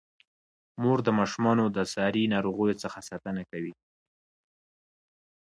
مور د ماشومانو د ساري ناروغیو څخه ساتنه کوي.